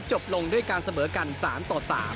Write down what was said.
จบลงด้วยการเสมอกัน๓ต่อ๓